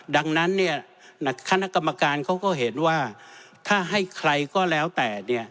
ดังนั้นคณะกรรมการเขาก็เห็นว่าถ้าให้ใครก็แล้วแต่เนี่ย